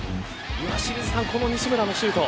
岩清水さん、この西村のシュート。